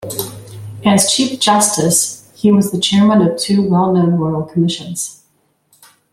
As Chief Justice, he was the chairman of two well known Royal Commissions.